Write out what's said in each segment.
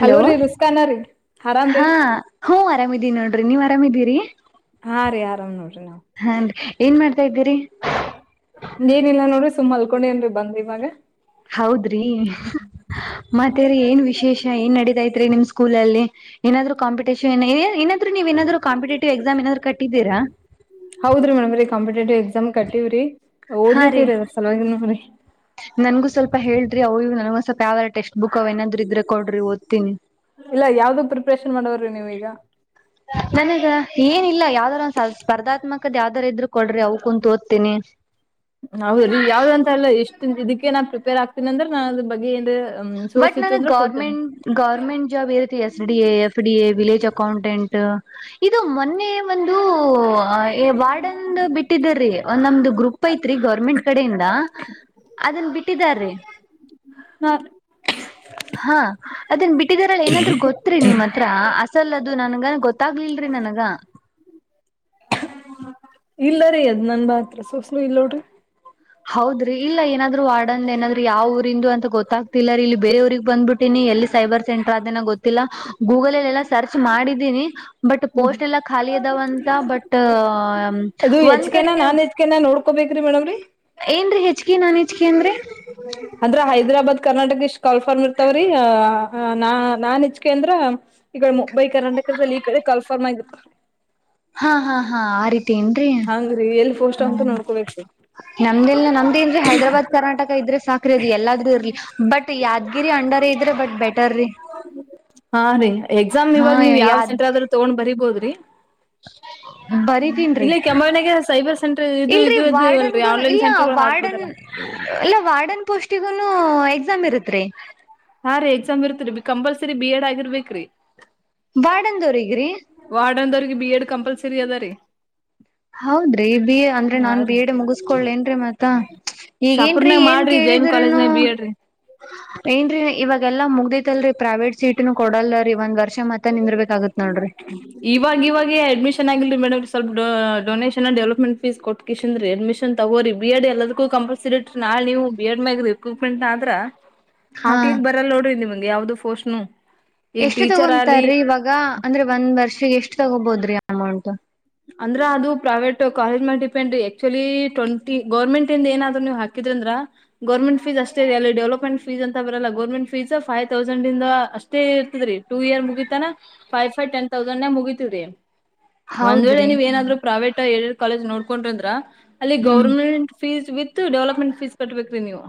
Hello ರಿ ರುಸ್ಕಾನಾ ರೀ ಆರಾಮ್ರರಿ ಹ್ಮಅರಮಿದೀನ್ ನೋಡ್ರಿ ನೀವ್ ಆರಾಮಿದೀರಿ ಹ ರಿ ಆರಾಮ್ ನೋ ಹ ಎನ್ ಮಾಡ್ ಏನಿಲ್ಲ ನೋಡ್ರಿ ಸುಮ್ಮ್ ಅಲ್ಕೊಂಡೇನ್ರಿ ಬಂದ್ ಇಮಾಗ ಹೌದ್ರಿ ಮತ್ತೇ್ರೀ ಏನ್ ವಿಶೇಷ ಏನ್ ನಡೀತೈತ್ರಿ ನಿಮ್ ಸ್ಕೂಲ್ಲ್ಲಿ ಏನಾದೂ ಕಾಂಪಿಟೇ ಏನಾದ್ರು ನೀವ ಏನಾದ್ರು ಕಾಂಪಿಟೇಟಿವ್ ಎಕ್ಸಾಮ್ ಏನಾದ್ರು ಕಟ್ಟಿದ್ದೀರಾ ಹೌದ್ರಿ ಮೇಡಮ್ ರೀ ಎಕ್ಸಾಮ್ ಕಟ್ಟಿವ್ರಿ ಹಾ ರೀ ಓದಿತೀರಿ ಅದ್ರ ಸಲುವಾಗಿ ನೋರಿ ನನ್ಗೂ ಸ್ವಲ್ಪ ಹೇಳ್ರಿ ಅವವು ನನಗ ಸ್ವಪ ಯಾವಲ್ಲ ಟಕ್ಸ್ಟ್ ಬುಕ್ ಅವ ನಾದ್ರರು ಇದ್ರೆ ಕೊಡರಿ ಓದ್ತಿನಿ ಇಲ್ಲ ಯಾವ್ದು ಪ್ರಿಪ್ರೇಷನ್ ಮಾಡವರ್ರಿ ನೀವೀಗ ನನ್ ಏನಿಲ್ಲ ಯಾವ್ದಾರ ಸ್ಪರ್ಧಾತ್ಮಕದ ಯಾವ್ದಾರ ಇದ್ರು ಕೊಡ್ರಿ ಅವ್ ಕುೂಂತ ಓದ್ತೀನಿ ಹೌದ ಈಗ ಯಾವ್ದ ಅಂತ ಅಲ್ಲ ಎಷ್ಟ ಇದಕ್ಕೆ ನಾ ಪ್ರಿಪೇರ್ ಆಗ್ತೀನಿ ಅಂದ್ರೆ ನಾ ಅದ್ರ ಬಗ್ಗೆಏ ಬಟ್ ನನ ಗೌರ್ಮೆಂಟ್ ಗೌರ್ಮೆಂಟ್ ಜಾಬ್ ಇರುತ್ತೆ S D A F D A village accountant ಇದು ಮೊನ್ನೆ ೇ ಒಂದು ವಾರ್ಡನ್ ಬಿಟ್ಟಿದ್ದೀ ಒಂದ್ ನಮ್ದು ಗ್ರೂಪ್ ಐತ್ರಿ ಗೌರ್ಮೆಂಟ್ ಕಡೆಯಿಂದ ಅದನ್ ಬಿಟ್ಟಿದಾರೀ. ಹಾ. ಹಾ ಅದನ್ ಬಿಟ್ಟ- ಇದರಲ್ಲಿ ಏನಾದ್ರು ಗೊತ್ತ್ರಿ ನಿಮ್ಮ್ ಹತ್ರ ಅಸಲ್- ಅದು ನನ್ಗ ಗೊತ್ತಾಗ್ಲಿಲ್ರರಿ ನನಗ. ಇಲ್ಲರಿ ಅದ್ ನನತ್ರ ಸೋಸ್ಲು ಇಲ್ನೋಡ್ರಿ. ಹೌದ- ಇಲ್ಲ ಏನಾದ್ರು ವಾರ್ಡ್ ಅಂದ ಏನಾದರು ಯಾವ ಊರಿಂದು ಅಂತ ಗೊತ್ತಾಗ್ತಿಲ್ಲ ಇಲ್ಲಿ ಬೇರೆ ಊರಿಗೆ ಬಂದಬಿಟ್ಟಿನಿ ಎಲ್ಲಿ ಸೈಬರ್ ಸೆಂಟರ್ ಅದೇ ಗೊತ್ತ. ಗೊತ್ತಿಲ್ಲ ಗೂಗಲ್ಲ್ ಅಲ್ಲಿ ಎಲ್ಲಾ ಸರ್ಚ್ ಮಾಡಿದ್ದೀನಿ- ಬಟ್ ಪೋಸ್ಟ್ ಎಲ್ಲ ಖಾಲಿ ಅದಾವ ಅಂತ ಬಟ್- ಅದು ಹೆಚ್ ಒಂದ್ ಕೆ ಕಡೆ ನಾ ನಾನ್ ಹೆಚ್ ಕೆ ನಾ ಕೋಬೇಕ್ರೀ ಮೇಡಮ್ ರೀ ಹೆಚ್ ಕೆ ನಾನ್ ಹೆಚ್ ಕೆ ಅಂದ್ರೆ. ಅಂದ್ರ ಹೈದ್ರಾಬಾದ್ ಕರ್ನಾಟಕ ಇಷ್ಟ್ ಕಾಲ್ಫಾರ್ಮ್ ಇರ್ತವ್ರೀ ನಾ ನಾನ್ ಹೆಚ್ಕೆ ಅಂದ್ರ ಈ ಮುಂಬೈ ಕರ್ನಾಟಕ ಈ ಕಡೆ ಕಾಲ್ಫಾರ್ಮ್ ಆಗಿರ್ತವ. ಹಾ ಹಾ ಹಾ ಆ ರೀತಿ. ಅಂಗ ಏನ್ರಿ ಹಂಗ್ರೀ ಎಲ್ಲಿ ಪೋಸ್ಟ್ ಅಂತ ಹ್ಮ ನೋಡ್ಕೋಬೇಕ್ರಿ ನಮ್ದಲ್ ನಮ್ದ ಏನ್ರಿ ಹೈದ್ರಾಬಾದ್ ಕರ್ನಾಟಕ ಇದ್ರೆ ಸಾಕ್ರ ಅದು ಎಲ್ಲಾದ್ರೂ ಇರ್ಲಿ ಬಟ್ ಯಾದ್ಗಿರಿ ಅಂಡರ್ ಇದ್ರೆ ಬಟ್ ಬೆಟರ ರಿ ಹಾ ರೀ ಎಕ್ಸಾಮ್ ಹ್ಹಾ ಯಾದ್- ಡಿ. ಬರೀ ತಿನ್ರಿ. ಕೆಂಬಾವಿನಾಗೆ ಸೈಬರ್ ಸೆಂಟರ್ ಇದು ಇಲ್ರಿ ಇದು ಅದು ಅಲ್ರಿ ವಾರ್ಡನ್ಗು ಆನ್ಲೈನ್ ಇಲ್ಲ ಸೆಂಟರ್ಗಳು ವಾರ್ಡನ್ ಹಾಕ್ಬೋದಲ್ಲ ಇಲ್ಲ ವಾರ್ಡನ್ ಪೋಸ್ಟ್ ಗಿ ನು ಹ ಎಕ್ಸಾಮ್ ಇರುತ್ರಿ. ಹಾ ರೀ ಎಕ್ಸಾಮ್ ಇರ್ತ್ರಿ ಕಂಪಲ್ಸರಿ ಬಿ ಎಡ್ ಆಗಿರ್ಬೇಕರಿ. ಬಾಡಂದವರಿಗ್ರಿ. ವಾಡಂಬೂರಿಗಿ ಬಿ ಎಡ್ ಕಂಪಲ್ಸರಿ ಅದ ರೀ. ಹೌದ್ರಿ ಬಿ ಅಂದ್ರೆ ಹಾ ನಾನ್ ರೀ ಬಿ ಎಡ್ ಮುಗಿಸಕೊಳ್ನ್ರೀ ಮತ್ತ ಈಗೇನ್ರೀ ಶಾಪುರ್ನಾಗ ಏನ್ ಮಾಡ್ರಿ ಜೈನ್ ಕೇಳಿದ್ರನು ಕಾಲೇಜ್ನಾಗ ಬಿ ಎಡ್ ರೀ ಏನ್ ರೀ ಇವಾಗ- ಎಲ್ಲ ಮುಗ್ದೈತ್ಲ್ರಿ ಪ್ರೈವೇಟ್ ಸೀಟ್ ನ ಕೊಡಲ್ದ ರೀ ಒಂದ್ ವರ್ಷ- ಮತ್ತ ನಿಂದಿರ್ಬೇಕಾಗತ್ ನೋಡ್ರಿ ಇವಾಗ ಇವಾಗ ಅಡ್ಮಿಷನ್. ಚೆನ್ನಾಗಿಲ್ರಿ ಮೇಡಮ್ ಸ್ವಲ್ಪ ಡೊನೇಷನ್ ಡೆವಲಪ್ಮೆಂಟ್ ಫೀಸ್ ಕೊಟಕ್ಕೆ ಸೀನ್ದರಿ ಅಡ್ಮಿಷನ್ ತಗೋ ರಿ ಬಿ ಎಡ್ ಎಲ್ಲದಕ್ಕೂ ಕಂಪಲ್ಸರಿ ಇಟ್ರ ನಾಳೆ ನೀವು ಬಿ ಎಡ್ ಮ್ಯಾಗ ರಿಕ್ರೂಟ್ಮೆಂಟ್ ಆದ್ರ- ಹಾ ಹಾಕ್ಲಿ ಬರಲ್ಲ ನೋಡ್ರಿ ನಿಮ್ಗೆ ಯಾವ್ದ- ಪೋಸ್ಟ್ ನು. ಎಷ್ಟು ತಗೊಂದ ರಿ ತರೀ ಇವಾಗ ಅಂದ್ರೆ ಒಂದ್ ವರ್ಷ ಎಷ್ಟ್ ತಗೋಬೋದ್ರೀ. ಅಮೌಂಟ್. ಅಂದ್ರ ಅದು ಪ್ರೈವೇಟ್ ಕಾಲೇಜ್ ಮೇಲ್ ಡಿಪೆಂಡ್ರೀ ಆಕ್ಚುಲಿ ಟ್ವೆಂಟಿ ಗೌರ್ಮೆಂಟ್ ಇಂದ ಏನಾದ್ರು ನೀವು ಹಾಕಿದ್ರ ಅಂದ್ರೆ ಗೌರ್ಮೆಂಟ್ ಫೀಸ್ ಅಷ್ಟೇ ರ ಅಲ್ಲಿ ಡೆವಲಪ್ಮೆಂಟ್ ಫೀಸ್ ಅಂತ ಬರಲ್ಲ ಗೋರ್ಮೆಂಟ್ ಫೀಸ್ ಫೈವ್ ತೌಸಂಡ್ಂದ ಅಷ್ಟೇ ಇರ್ತದ್ರೀ ಟೂ ಇಯರ್ ಮುಗಿತಾನ ಫೈವ್ ಫೈವ್ ಟೆನ್ ಥೌಸಂಡ್ ನ್ಯಾಗ ಮುಗಿತತ್ ರಿ. ಒಂದ್ ವೇಳೆ ಹೌದ್ರಿ ನೀವ ಏನಾದ್ರೂ ಪ್ರೈೇಟ್. ಕಾಲೇಜ್ ನೋಡ್ಕೊಂಡ್ರ ಅಂದ್ರ ಅಲ್ಲಿ ಹ್ಮ್ government fees with development fees ಕಟ್ಬೇಕ ರೀ ನೀವು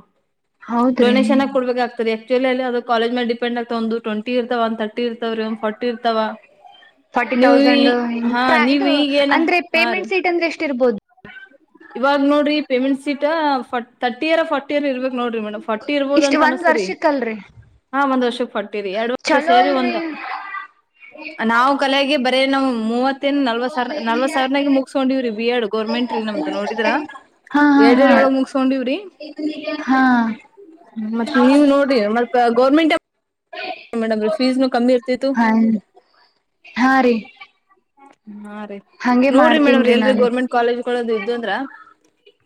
ಹೌದ್ರಿ ಡೊನೇೇಶನ್ ಕೊಡ್ಬೇಕಾಗ್ತರಿ ಆಕ್ಟುವಲ್ಲಿ ಅದ ಕಾಲೇಜ್ ಮೇಲ್ ಡಿಪೆ್ ಆಗ್ತ ಒ ಟ್ಂಟಿ ಇರ್ಾವ ಒ ತರ್ಟಿ ಇರ್ತವೀ ಒಮ್ಮಿ ಫೋರ್ಟಿ ಇರತಾವ ಫಾರ್ಟಿ ತೌಸಂಡು ನೀವ್ ಇದು ಈಗೇನ ಅಂದ್ರೆ ಪೇಮೆಂಟ್ ಸೀಟ್ ಅಂದ್ರೆ ಎಸ್ಟ್ ತಿರ್ಬೋದು ಇವಾಗ್ ನೋಡ್ರಿ ಪೇಮೆಂಟ್ ಸಿ ಸೀಟ್ ತರ್ಟಿ ಇರ್ ಫೋರ್ಟ್ ಇರ್ ಇರ್ಬೇಕ ನೋಡ್ರಿ ಮೇಡಮ್ ಫಟ್ಟಿ ಇರ್ಬೋದ ಇಷ್ಟ್ ಅಂತ ಒಂದ್ ಅನ್ಸು್ರರಿ ವರ್ಷಕ್ಕಲ್ರಿ ಹಾ ಒಂದ್ ಫಟ್ ಎರ ವರ್ಷ ಚಲೋ ಸೇರಿ ಅಲ್ರಿ ಒಂದ್ ನಾವು ಕಲಿವಾಗಿ ಅದೇನವ್ ಮೂವತ್ತ ನಲ್ವ ಸಾವರ ನಲ್ವ ಸಿರನಗ ಮುಗಸ್ಕೊಂಡಿವವಿ ಬಿ ಆಡ್ ಗರ್ೆಂಟ್ ರಿ ನಮ್ಮದ್ ನೋಡಿದ್ರ ಹಾ ಹಾ ಎರರಡ್ ಹಾ ಒಳಗ ಮುಗಸ್ಕೊಂಡಿವ್ರಿ ಹಾ ಮತ್ತ ನೀವ ನೋಡರಿ ಮತ್ತ ಗರ್ಮೆಂಟ್ ಮೇಡಮ್ೀ ಫೀಸ್ನು ಕಮ್ಮಿ ಇರ್ತಿತ್ತು ಹ ಹಾ ರೀ ಹಾ ಹಂಗೆ ನೋಡ್ರಿ ಮೇಡಮ್ರಿ ಮಾಡ್ತೀನ್ರಿ ಎಲ್ರಿ ನಾನು ಗೌರ್ಮೆಂಟ್ ಕಾಲೇಜ್ಗಳದ ಇಂದ್ರ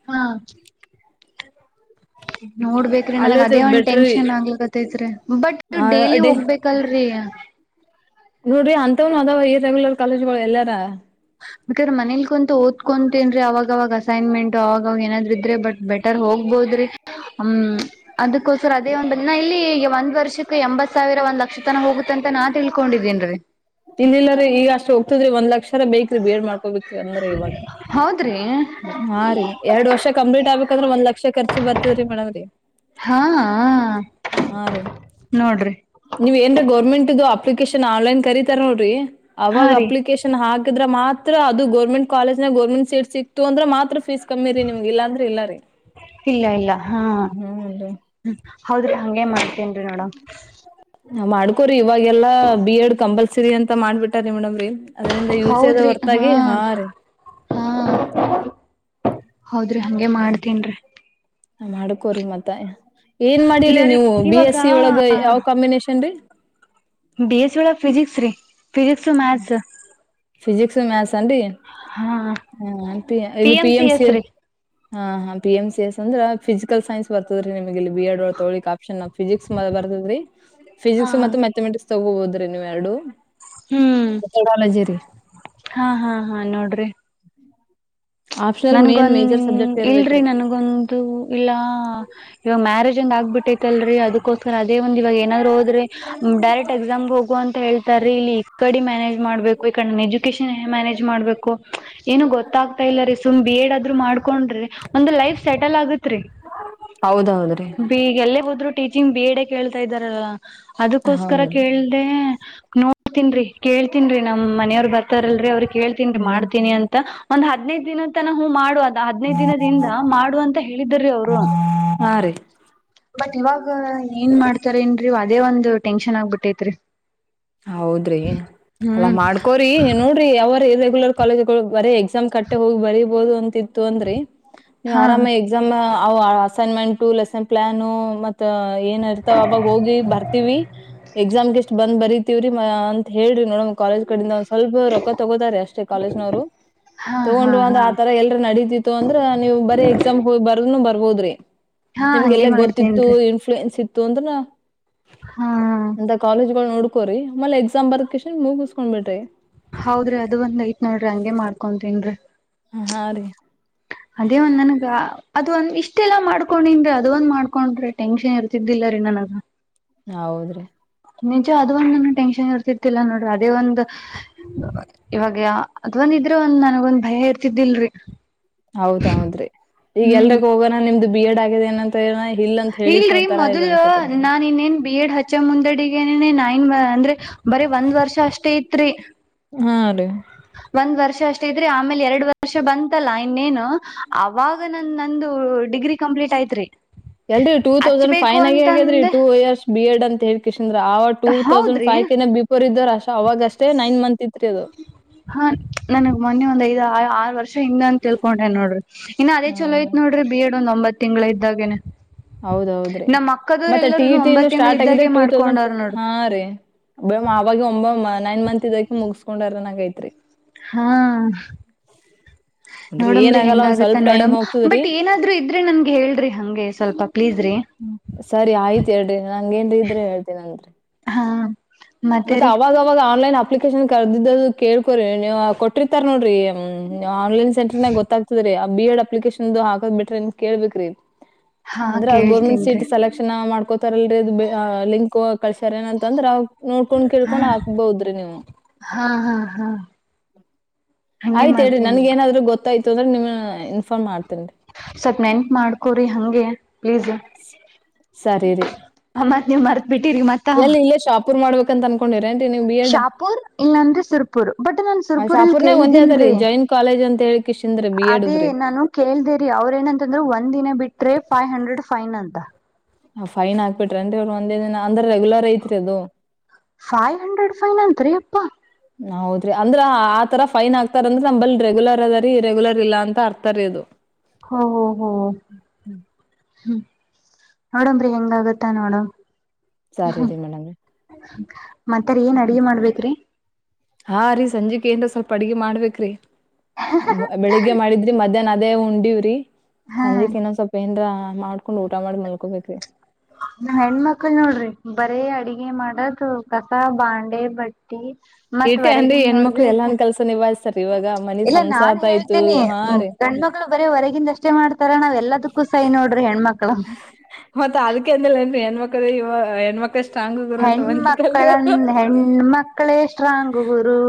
ಹಾ ನೋಡ್ಬೇಕೇ್ರಿ ಅಲ್ಲೇ ನನ್ ಅದೇ ಒಂದ್ ಬೆಟ್ರಿ ಟೆನ್ಷನ್ ಆಗ್ಲಿ ಗತ್ತೈತ್ರಿ ಬಟ್ ಡೇಲಿ ಅಡೆ ಹೋಗ್ಬೇಕಲ್ರರಿ ನೋಡ್ರಿ ಅಂತವನು ಅದಾವ ಈ ರೆಗ್ಯುಲರ್ ಕಾಲೇಜ್ಗಳು ಎಲ್ಲಾರ ಬಾಾದ್ರೆ ಮನೇಲಿ ಕುಂತ ಓದಕೊಂತೇನ್ರಿ ಅವಾಗವಾಗ್ ಅಸೈನ್ಮೆಂಟ್ ಅವಾಗಾಗ ಏನಾದ್ ಇದ್ರೆ ಬಟ್ ಬೆಟರ್ ಹೋಗ್ಬೋದ್ರಿ ಹ್ಮ್ ಅದಕ್ಕೋಸ್ರ ಅದೇ ಒಂದಿನ ಇಲ್ಲಿ ಈಗ ಒಂದ್ ವರ್ಷಕ್ಕೆ ಎಂಬತ್ ಸಾವಿರ ಒಂದ್ ಲಕ್ಷತನ ಹೋಗುತ್ತಂತ ನಾ ತಿಳ್ಕೊಂಡಿದೇನ್ ರೀ ಇಲ್ಲ ಇಿಲ್ಲ್ರ ಈಗ ಅಷ್ಟ್ ಹೋಗ್ತದ್ರಿ ಒಂದ್ ಲಕ್ಷರ ಬೇಕ ಬೇಡ್ ಮಾಡ್ಕೋಬೇಕ ಅಂದ್ರೆ ಇವಾಗ ಹೌದ್ರಿ ಹಾ ರೀ ಎರಡ್ ವರ್ಷ ಕಂಪ್ಲೀಟ್ ಆಗ್ಬೇಕಂದ್ರೆ ಒಂದ್ ಲಕ್ಷಖರ್ಚು ಬರ್ತದ್ರೀ ಮೇಮ್ರೀ ಹಾ ಹಾ ರೀ ನೋಡ್ರಿ ನೀವ್ ಏನ್ರೀ ಗೌರ್ಮೆಂಟ್ದು ಅಪ್ಲಿಕೇಶನ್ ಆನ್ಲೈನ್ ಕರೀತಾರ ನೋಡ್ರಿ ಹಾ ಅವಾಗ ರೀ ಅಪ್ಲಿಕೇಶನ್ ಹಾಗ್ [unintelligible] ಮಾತ್ರ ಅದು ಗರ್ಮಂಟ್ ಕಾಲೇಜ್ ನ ಗರ್ಮೆಂಟ್ ಸೀಟ್ ಸಿಕ್ ತು [unintelligible] ಅಂದ್ರ ಮಾತ್ರ ಫೀಸ್ ಕಮ್ಮಿ ರೀ ನಿಮ್ಗೆ ಇಲ್ಲಾಂದ್ರೆ ಇಲ್ಲ ರೀ ಇಲ್ಲ ಇಲ್ಲ ಹಾ ಹ್ಮನ್ರಿ ಹೌದ್ರಿ ಹಂಗೆ ಮಾಡ್ತೇನ್ರಿ ನೋಡ [unintelligible] ಮಾಡ್ಕೊರಿ ಇವಾಗ ಎಲ್ಲ ಬಿ ಎಡ್ ಕಂಪಲ್ಸ [unintelligible] ಸಿರಿ ಅಂತ ಮಾಡ್ಬಿಟ್ಟಾರೆ ಮೇಡಮ್ ಅದರಿಂದ ಯೂಸದ [unintelligible] ಹೊರ್ತಾಗಿ ಹಾ ರೀ ಹಾ ಹೌದ್ರಿ ಹಂಗೆ ಮಾಡ್ತೇನ್ರೀ ನ ಮಾಡ್ಕೋರಿ ಮತ್ತ ಏನ್ ಮಾಡಿರಿ ಇಲ್ಲರಿ ನೀವು ಬಿ ಇವಾಗ ಎಸ್ ಸಿ ಒಳಗ ಯಾವ ಕಾಂಬಿನೇಷನ್ ರೀ ಬಿ ಎಸ್ ಸಿ ಒಳ್ಗ್ ಫಿಜಿಕ್ಸ್ ರೀ ಫಿಜಿಕ್ಸ್ ಮ್ಯಾಥ್ಸ್ ಫಿಸಿಕ್ಸ್ ಮ್ಯಾಥ್ಸ್ ಅಂಡೀ [unintelligible] ಹಾ ಹಾ [unintelligible] ಇಲ್ಲಿ ಪಿ ಎಂ ಸಿ ಎಸ್ ಹಾ ಹಾ ಪಿ ಎಂ ಸಿ ಎಸ್ ಅಂದ್ರ ಫಿಸಿಕಲ್ ಸೈನ್ಸ್ ಬರ್ತದರಿ ನಿಮಗೆಲ್ಲಿ ಬಿ ಎಡ್ ತಗೋಳಿಕ್ [unintelligible] [unintelligible] ಫಿಸಿಕ್ಸ್ ಬರ್ದ್ರ ಹಾ ಫಿಸಿಕ್ಸ್ ಮತ್ತು ಮ್ಯಾಥಮೆಟಿಕ್ಸ್ ತಗೋಬೋದ್ರಿ ನೀವು ಎರಡು ಹ್ಮ್ ಮೆಥಡಾಲಜಿ ರೀ ಹಾ ಹಾ ಹಾ ನೋಡ್ರಿ ಆಪ್ಷನಲ್ ಮೇನ್ ನನ್ಗೊಂದ ಮೇಜರ್ ಸಬ್ಜೆಕ್ಟ್ ಇಲ್ರಿ ಇರ್ಬೇಕ್ರಿ ನನ್ಗೊಂದು ಇಲ್ಲ ಇವ ಮ್ಯಾರೇಜ್ ಒಂದ ಆಗ್ಬಿಟ್ಟೈತ್ತಲ್ರರಿ ಅದಕೋಸ್ಕರ ಅದೇ ಒಂದ ಇವಾಗ ಏನಾದ್ರು ಹೋದ್ರಿ ಡೈರೆಕ್ಟ್ ಎಕ್ಸಾಮ್ಗೆ ಹೋಗುವ ಅಂತ ಹೇಳ್ತಾರೀ ಇಲ್ಲಿ ಇಡಿ [unintelligible] ಮ್ಯ [unintelligible] ಏನ್ ಮಾಡಬೇಕು ಈ ಕಡೆ ಎಜುಕೇಶನ್ ಏನು ಮಾಡಬೇಕು ಅಂತ ಗೊತ್ತಾಗ್ತಾ ಇಲ್ಲ [unintelligible] ಬಿ ಎಡ್ ಆದ್ರೂ ಮಾಡ್ಕೊಂಡ್ರೆ ಒಂದು ಲೈಫ್ ಸೆಟಲ್ ಆಗುತ್ ತ್ರಿ ಹೌದೌದ್ರಿ ಬಿ [unintelligible] ಎಲ್ಲಿಗ್ ಹೋದರು ಟೀಚಿಂಗ್ ಬಿ ಎಡ್ ಹೇ ಕೇಳ್ತಾ ಇದಾರಲ್ಲ ಅದಕ್ಕೋಸ್ಕರ ಹೌದ್ರಿ ಕೇಳ್ದೆ ನೋಡ್ತನ್ರಿ ಕೇಳ್ತನ್ ರಿ ನಮ್ ಮನೆಯವ್ರು ಬರ್ತಾರಲ್ರರಿ ಅವ್ರರು ಕೇಳ್ತನ್ ಹ್ಮ್ ಮಾಡ್ತೀನಿ ಅಂತ ಒಂದ್ ಹದಿನೈದು ದಿನ ತ [unintelligible] ಹೂ ಮಾಡುವ ಹದ್ನೈದು ದಿನದಿಂದ ಮಾಡುವ ಅಂತ ಹೇಳಿದ ರಿ ಅವರು ಹಾ ರೀ [unintelligible] ಅದೇ ಒಂದು ಟೆನ್ಷನ್ ಆಗ್ಬಿಟ್ಟೈತ್ರಿ ಹೌದ್ರಿ ಅಲ್ಲಾ ಹ್ಮ್ ಮಾಡ್ಕೋರಿ ನೋಡ್ರಿ ವ್ಯಾವಹಾರ ಏನ್ ಆಯ್ತ್ [unintelligible] ರೆಗ್ಯುಲರ್ ಕಾಲೇಜ್ಗಳು ಬರೇ ಎಕ್ಸಾಮ್ ಕಟ್ಟೆ ಹೋಗಿ ಬರಿಬಹದು ಅಂತಿತ್ತು ಅಂದ್ರರಿ ನೀವು್ ಹಾ ಆರಾಮ ಎಕ್ಸಾಮ್ ಅ ಅಸೈನ್ಮೆಂಟ್ ಲೆಸನ್ ಪ್ಲಾಾನ ಮತ್ತ ಏನ ಇರ್ತಾವಾಗ ಹೋಗಿ ಬರ್ತಿೀವಿ ಎಕ್ಸಾಮ್ಗೆ ಎಷ್ಟ್ ಬಂದ ಬರಿದ ತವ್ರಿಯ ಅಂತ ಹೇಳ್ರಿ ನೋಡ ಕಾಲೇಜ್ ಕಡಿಂದ ಸ್ವಲ್ಪ ರೊಕ್ಕ ತಗೋತಾರೆ ಅಷ್ಟೇ ಕಾಲೇಜ್ನವರು ಹಾ ಹಾ ತಗೊಂಡ್ರು ಅಂದ್ರ ಹಾ ಆ ತರ ಎಲ್ರ ನಡೀತಿತ್ತು ಅಂದ್ರೆ ನೀವು ಬರೀ ಎಕ್ಸಾಮ್ ಬ ಬ ರ್ ಹೋದ್ರಿ ಹಾ ಹಂಗೆ ನಿಮ್ಗೆಲ್ಲ ಗೊತ್ತಿತ್ತು ಮಾಡ್ತೇನ್ರಿ ಇನ್ಫ್ಲೂಯೆನ್ಸ್ ಇತ್ತು ತುಂದನಾ ಹಾ ಅಂತ ಕಾಲೇಜ್ ೋ ಕೋರಿ ಆಮೇಲೆ ಎಕ್ಸಾಮ್ ಬರ್ಕನ್ ಮುಗಿಸಸ್ಕ್ ಬಿಟ್ರಿ ಹೌದ್ರಿ ಅದು ಒಂದ್ ಐತ್ ನೋಡ್ರಿ ಹಂಗಗೆ ಮಾಡ್ಕೊತನ್ೀ ಹ ಹಾ ರೀ ಅದೇ ಒಂದ್ ನನಗ ಅದು ಒಂದ್ ಇಷ್ಟೆಲ್ಲಾ ಮಾಡ್ಕೊಂಡನ್್ರಿ ಅದ ಒಂದ್ ಮಾಡ್ಕೊಂಡ್ರಿ ಟೆನ್ಷನ್ ಇರ್ತಿದ್ದಿಲ್ಲರೀ ನನಗ ಹೌದ್ರಿ ನಿಜ ಅದ ಒಂದ್ ಟೆನ್ಷನ್ ಇರ್ತಿರ್ತಿಲ್ಲಾ ನೋಡ್ರಿ ಅದೇ ಒಂದ್ ಇವಾಗ ಅದ್ ಒಂದ ಇದ್ರೆ ಒಂದ್ ನನಗೊಂದ್ ಭಯ ಇರ್ತಿದ್ದಿಲ್ರಿ ಹೌದೌದ್ರಿ ಈಗ ಎಲ್ಗ ಹೋಗೋಣ ನಿಮ್ದು ಬಿ ಎಡ್ ಆಗಿದೆಏ ಇಲ್ರರಿ ಮೊದಲ್ ನಿಮ್ಗೆ ನಾನ ಇನ್ನೇನ್ ಬಿ ಎಡ್ ಹಚ್ಚ ಮುಂದಡಿ ಏ ನೈನ್ ಅಂದ್ರೆ ಬರೀ ಒಂದ್ ವರ್ಷ ಅಷ್ಟೇ ಇತ್ರಿ ಹಾ ರೀ ಒಂದ್ ವರ್ಷ ಅಷ್ಟೇ ್ರರಿ ಆಮೇಲೆ ಎರಡ್ ವರ್ಷ ಬಂತಲ್ಲ ಇನ್ನೇನು ಅವಾಗ ನನ್ ನಂದು ಡಿಗ್ರಿ ಕಂಪ್ಲೀಟ್ ಐತ್ರಿ ಎಲ್ರರಿ ಟೂ ತೌಸಂಡ್ ಫೈನ್ ಆಗಿ ಆಗೇದ್ರಿ ಟೂ ಇಯರ್ಸ್ ಬಿ ಎಡ್ ಹೇ ಅವ ಟೂ ತೌಸಂಡ್ ಹೌದ್ರಿ ಫೈವ ಬಿಪರೀ ಅವಾಗಷ್ಟೇ ನೈನ್ ಮಂತ್ ತ್ರಿ ಅದು ಹಾ ನನಗ್ ಮೊನ್ನೆ ಒಂದ್ ಐದು ಆರು ವರ್ಷ ಹಂಗ ಅಂತ ತಿಳ್ಕೊಂಡ್ರೆ ನೋಡ್ರಿ ಇನ್ನು ಅದೇ ಹಾ ಹಾ ಚಲೋಯತ್ ನೋಡ್ರ ಬಿ ಎಡ್ ಇೊಂದ ಒಂಬತ್ ತಿಂಗಳ ಇದ್ದಾಗೇನೆ ಹೌದೌದ್ರೀ ನಮ್ ಅಕ್ಕದವ್ರ ಮತ್ತೆ ಟಿ ಎಲ್ಲರೂನು ಟ ಒಂಬತ್ ತಿಂಗಳ ಸ್ಟಾರ್ಟ್ ಆಗ್ರೆ ಇದ್ದಾಗೆ ಟೂ ತೌಸ್ ಮಾಡ್ಕೊಂಡಾರ ನೋಡ್ರಿ ಹಾ ರೀ ಆಾಗ ಒ ನೈನ್ ಮಂತ್ ಇದಕ ಮುಗಿಸಸ್ಕೊಂಡೈ [inaudible] ಹಾ ಅಂದ್ರ ನೋಡಮ್ರಿ ಏನಾಗಲ್ಲ ಹೆಂಗ ಒಂದ್ ಆಗತ್ತ ಸ್ವಲ್ಪ ಟೈಮ್ ನೋಡಮ ಹೋಗ್ತದ್ರಿ ಬಟ್ ಏನಾದ್ರು ಇದ್ರೆ ನನ್ಗೆ ಹೇಳ್ರಿ ಹಂಗೆ ಸ್ವಲ್ಪ ಪ್ಲೀಸ್ ರೀ ಸರಿ ಆಯ್ತ್ು ಹೇಳ್ರಿ ನಂಗ ೇನ್ರೀ ಇದ್ರೆ ಹೇಳ್ತೀನ ಅನ್ರಿ ಹಾ ಮತ್ತೆ ಅವಾಗವಾಗ ಆನ್ಲೈನ್ ಅಪ್ಲಿಕೇಶನ್ ಕರದಿದ್ದು ಅದು ಕೇಳ್ಕೋರಿ ನೀವು ಕೊಟ್ಟಿರತಾರ್ ನೋಡ್ರಿ ಹ್ಮ್ ಆನ್ಲೈನ್ ಸಂಟರ್ನಗ ಗೊತ್ತಆಗತದ ರಿ ಬಿ ಎಡ್ ಅಪ್ಲಿಕೇಶನದು ಹಾಕದ ಬಿಟ್ಟರ ಅನ್ ಕೇಳಬೇಕ ರಿ ಹಾ ಅಂದ್ರೆ ಅದು ಗೋರ್ಮೆಂಟ್ ಸೀಟ್ ಕೇಳ್ತೀನ್ರಿ ಸೆಲೆಕ್ಷನ್ ಮಾಡ್ಕೋತಾರಲ್ರಿ ಲಿಂಕ್ ಕ ಕಳಸೇರ ಏನಂತ ಅಂದ್ರ ಅವ ನೋಡ್ಕೊಂಡ್ ಕೆಳಕೊಂಡ ಹಾಕಬಹುದು ರಿ ನೀವು ಹಾ ಹಾ ಹಾ ಹಂಗೆ ಆಯ್ತ್ ಹೇಳಿ ನನಗ ಮಾಡ್ತೇನ್ರಿ ಏನಾದ್ರೂ ಗೊತ್ತ ಗೊತ್ತ್ ಆಯ್ತು ಅಂದ್ರೆ ನಿಮಗೆ ಇನ್ಫಾರ್ಮ್ ಮಾಡತೀನಿ ಸ್ವಲ್ ನೆನಪ ಮಾಡ್ಕೊರಿ ಹಂಗೆ ಪ್ಲೀಸ್ ಸರಿ ರೀ ಮತ್ತ ನೀವ್ ಮರ್ತ್ ಬಿಟ್ಟಿರಿ ಮತ್ತ ಶಾಪಿಂಗ್ ಮಡಬೇಕ್ ಅಂತ ಅನಕೊಂಡಿರಿ ಶಹಾಪುರ ಇಲ್ಲ ಅಂದ್ರೆ ಸುರಪುರ ಬಟ್ ನನ್ ಆ ಸುರಪುರ ಅಲ್ಲಿ ಶಾಪುರ್ನ್ಯಾಗ ಒಂದೇ ಅದರಿ ಕೇಳಿದಿನಿರಿ ಜೈನ್ ಕಾಲೇಜ್ ಅಂತ ಹೇಳಿ ಕಿಶಿಂದ್ರಿ ಬಿ ಅದೇ ಎಡ್ದ್ರಿ ನಾನು ಕೇಳ್ದೇರಿ ಅವ್ರ ಏನಂತಂದ್ರ ಒಂದ್ ದಿನ ಬಿಟ್ರೆ ಫೈವ್ ಹಂಡ್ರೆಡ್ ಫೈನ್ ಅಂತ [unintelligible] ಫೈನ್ ಹಾಕಬಿಟ್ಟರ ಅನ್ರಿ ಅವ್ ಒಂದೇ ದಿನ ಅಂದ್ರೆ ರೆಗ್ಯುಲರ್ ಐತಿ ಅದು ಫೈವ್ ಹಂಡ್ರೆಡ್ ಫೈನ್ ಅಂತಾ ರಿ ಯಪ್ಪಾ ಹೌದ್ರಿ ಅಂದ್ರ ಆ ತರ ಫೈನ್ ಹಾಕತಾರೆ ಅಂದ್ರೆ ನಮ್ಮಬಲ್ಲಿ ರೆಗ್ಯುಲರ್ ಅದ ಇರ ರೆಗ್ಯುಲರ್ ಇಲ್ಲ ಅಂತ ಅರ್ಥ ಅದು ಹಾ ಹ್ಮ ಹ್ಮ ಹ್ಮ್ ನೋಡಮ್ ರಿ ಹೆಂಗ ಆಗತ್ತಾ ನೋಡಮ್ ಸರಿ ರೀ ಮೇಡಮ ಮತ್ತರಿ ಏನ್ ಅಡುಗಿ ಮಾಡಬೇಕ್ ರಿ ಹಾ ರೀ ಸಂಜಿಕ್ ಏನರ್ ಸ್ವಲ್ಪ ಅಡುಗೆ ಮಾಡಬೇಕ್ ರಿ ಬೆಳಿಗ್ಗೆ ಮಾಡಿದ್ರಿ ಮಧ್ಯಾಹ್ನ ಅದೇ ಉಂಡಿವಿ ರಿ ಹಾ ಸಂಜೆಕ್ ಇನ್ನೊಂದ ಸ್ವಲ್ಪ ಏನ್ರಾ ಮಾಡ್ಕೊಂಡ್ ಊಟ ಮಾಡಿ ಮಲ್ಕೋಬೇಕ್ ರಿ ನಾ ಹೆಣ್ಮಕ್ಳ ನೋಡ್ರಿ ಬರೇ ಅಡಗೆ ಮಾಡ ಕಸ ಬಾಂಡ ಬಟ್ಟಿ ಮತ್ತ್ ಏಟೆ ಅನ್ರಿ ಹೊರಗಿಂದ ಹೆಣ್ಮಕ್ಳು ನೋಡ್ಬೇಕ ಎಲ್ಲಾನ್ ಕೆಲ್ಸ ನಿಭಾಯಿಸ್ತಾರ ಇವಾಗ ಮನಿ ಇಲ್ಲ ನಾನ್ ಸಂಸಾರ್ದ ಆಯ್ತು ಹೇಳ್ತೀನಿ ಹಾ ರೀ ಗಣ್ಮಕ್ಳು ಬರೀ ಹೊರಗಿಂದಷ್ಟೇ ಮಾಡ್ತಾರ ನಾವ್ ಎಲ್ಲದಕ್ಕೂ ಸೈ ನೋಡ್ರಿ ಹೆಣ್ಮಕ್ಳ ಮತ್ತ ಅದಕ ಅದಕಂದಲೇ ಹೆಣ್ಮಮಕ್ಕಳೇ ಹೆಣ್ಮಕ್ಕಳ ಹೆಣ್ಮಕ್ಳ ಎಷ್ಟ ಹೆಣ್ಮಕ್ಳೆ ಸ್ಟ್ರಾಂಗು ಗುರು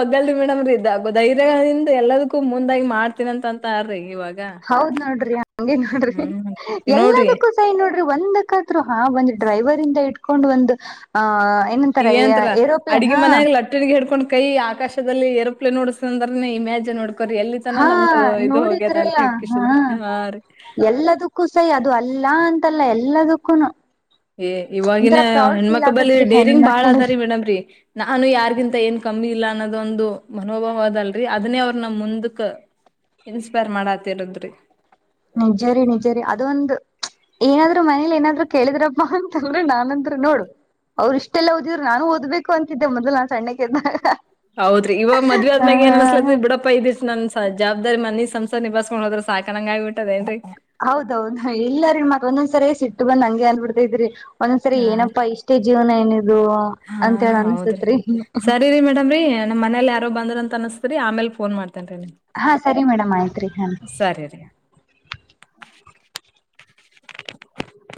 ಮೊದಲ್ರಿ ಮೇಡಮ್ ರೀ ಇದ ಧರ್ಯದಿಂದ ಎಲ್ಲದಕ್ಕೂ ಮುಂದಾಗಿ ಮಾಡ್ತೀನ ಅಂತ ಅಂತೀ ಹೌದ್ ನೋಡ್ರಿ ಹಂಗಗೆ ನೋಡ್ರಿ ಹ್ಮ್ ಈ ನೋಡ್ರಿ ಎಲ್ಲದಕ್ಕೂ ಸೈ ನೋಡ್ರಿ ಒಂದಕ್ಕ ಹಾ ಒಂದ್ ಡ್ರೈವ ಇಂದ ಕಕೊಂಡ್ ಒಂದು ಆ [unintelligible] ಏನ ಅಂತರ ಏರೋಪ್ಲೇನ್ ಅಡಗಿ ಹಾ ಮನ್ಯಾಗ್ ಲಟ್ಟಣಗಿ ಹಿಡ್ಕೊಂಡ್ ಕೈ ಆಕಾಶದಲ್ಲಿ ಎರರುಪ್ಲೆ ನೋಡಸಂದ್ರೆ ಇಮೇಜ್ ನೋಡ್ ಹಾ ನೋಡಿದ್ರಲ್ಲ ಹಾ ಹೇಳ್ಕಿಶಂದ್ರಿ ಹಾ ರೀ ಎಲ್ಲದಕ್ಕೂ ಸೈ ಅದು ಅಲ್ಲಾ ಅಂತಲ್ಲ ಎಲಾ ಎಲ್ಲ ದಕ್ಕೂನು ಏ ಇವಾಗಿನ ಹೆಣ್ಮಕ್ಳ ಬಳಿ ಆಗತ್ರಿ ಡೇರಿಂಗ್ ಬಾಳ್ ಹೆಣ್ಮಕ್ಳು ಅದಾರಿ ಮೇಡಮ್ರೀ ನಾನು ಯಾರ್ಗಿಂತ ಏನ್ ಕಮ್ಮಿ ಇಲ್ಲ ಅನ್ನೋ ದೊಂದು ಮನೋಭಾವ ಅದಲ್ರರಿ ಅದನ್ನೇ ಅವ್ರ ನ ಮುಂದಕ್ ಇನ್ಸ್ಪೈರ್ ಮಾಡತಿರದ್ರಿ ನಿಜ್ಜರಿ ನಿಜ್ಜ ರೀ ಅದೊಂದು ಏನಾದ್ರು ಮನೇಲಿ ಏನಾದ್ರು ಕೇಳಿದ್ರಪ್ಪಾ ಅಂತಂದ್ರೆ ನಾನಂದ್ರು ನೋಡು ಅವರು ಇಷ್ಟೆಲ್ಲ ಓದಿದ್ರು ನಾನು ಓದ್ಬೇಕು ಅಂತಿದ್ದೆ ಮೊದ್ಲು ನಾನ್ ಸಣ್ಣಕ್ಕೆದ್ದಾಗ. ಹೌದ್ರೀ ಇವ ಮದ್ ಆದ್ಮ್ಯಾಗ ಏನ್ ಅನ್ಸ್ಲತ್ರಿ ಬಿಡಪ್ಪ ಇದೀರಿ ನನ್ ಜವಾಬ್ದಾರಿ ಮಿ ಸಂಸಾರ ಸ ನಿಭಸ್ಕೊಂಡ ಹೋದ್ರ ಸಾಕನಂಗಗಿ ಬಿಟ್ಟದ ಏನ್ರಿ ಹೌದೌದ ಇಲ್ಲರಿಗ ಮತ್ ಒಂದೊಂದ್ಸರಿ ಸಿಟ್ಟ ಬಂದ್ ಹಂಗೆ ಅಂದನ್ಬಿಡ್ತ ಇದ್ರಿ ಒಂದ್ಸರಿ ಹಾ ರೀ ಏನಪ್ಪ ಇಷ್ಟ ಇ ಜೀವನಾ ಇನ [inaudible] ಹಾ ಹೌದ್ರಿ ಸರಿ ರಿ ಮೇಡಮ ರಿ ನಮ್ಮ್ ಮನೇಲಿ ಯಾರೋ ಬಂದ್ರಂತ ತನಸ್ತೀರಿ ಆೇ ಫೋನ್ ಮಾಡತ ಹಾ ಸರಿ ಮೇಡಮ್ ಆಯ್ತ್ರಿ ಹ ಸರಿ ರೀ. [inaudible]